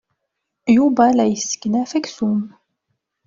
Yuba la yesseknaf aksum.